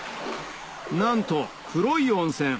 なんと黒い温泉